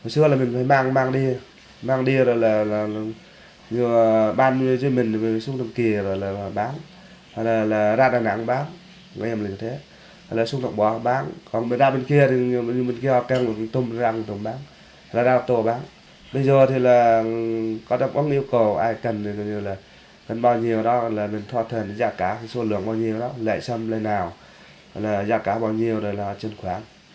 chúng tôi không yêu cầu ai cần bao nhiêu đó là mình thỏa thuận với giá cả số lượng bao nhiêu đó lệ sâm lệ nào giá cả bao nhiêu đó là chuyên khoản